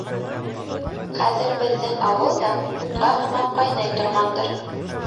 Хәҙер беҙҙең ауыл да бутҡа һымаҡ ҡайнай торғандыр.